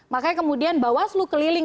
makanya kemudian bawaslu keliling